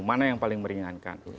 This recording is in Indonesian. mana yang paling meringankan